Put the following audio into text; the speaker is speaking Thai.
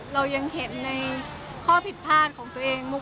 เรายังเห็นในข้อผิดพลาดของตัวเอง